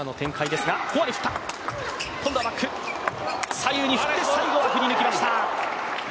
左右に振って、最後は振り抜きました。